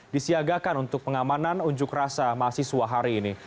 disiagakan untuk pengamanan unjuk rasa mahasiswa hari ini